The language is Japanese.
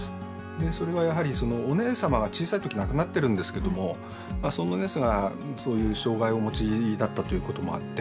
でそれはやはりお姉様が小さい時に亡くなってるんですけどもそのお姉様がそういう障害をお持ちだったということもあって